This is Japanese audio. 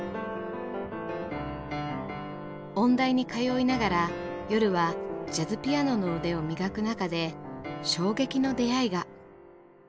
音大に通いながら夜はジャズピアノの腕を磨く中で衝撃の出会いが。